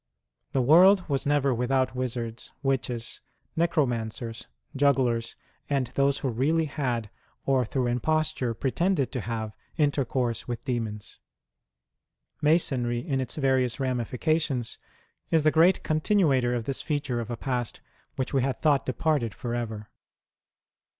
The world was never without wizards, witches, necromancers, jugglers, and those who really had, or through imposture, pretended to have, intercourse with demons. Masonry in its various ramifications is the great continuator of this feature of a past which we had thought departed for ever.